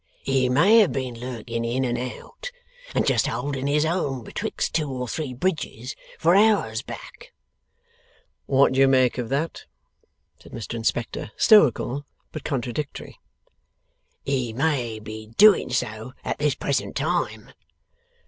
He may have been lurking in and out, and just holding his own betwixt two or three bridges, for hours back.' 'What do you make of that?' said Mr Inspector. Stoical, but contradictory. 'He may be doing so at this present time.